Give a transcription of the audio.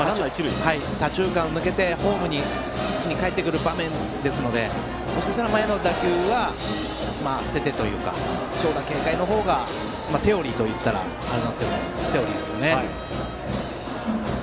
左中間抜けてホームに一気にかえってくる場面ですのでもしかしたら前の打球は捨ててというか長打警戒の方がセオリーですよね。